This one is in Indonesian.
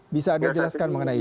bisa anda jelaskan mengenai ini